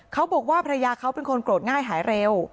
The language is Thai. เขาบอกว่าภรรยาเขาเป็นคนโกรธง่ายหายเร็ว